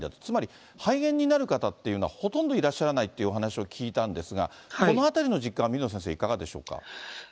つまり、肺炎になる方というのは、ほとんどいらっしゃらないっていうお話を聞いたんですが、このあたりの実感、水野先生、いかがでしょうか。